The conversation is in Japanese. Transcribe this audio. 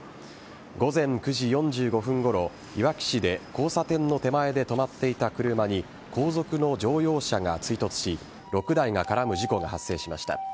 午前９時４５分ごろいわき市で交差点の手前で止まっていた車に後続の乗用車が追突し６台が絡む事故が発生しました。